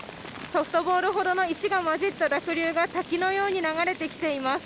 ソフトボールほどの石が混じった濁流が滝のように流れてきています。